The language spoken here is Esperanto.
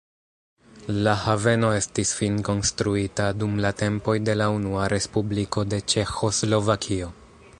La haveno estis finkonstruita dum la tempoj de la Unua respubliko de Ĉeĥoslovakio.